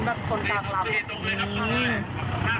แบบชนกางลักษณ์